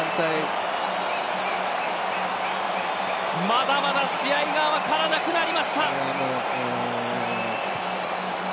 まだまだ試合が分からなくなりました。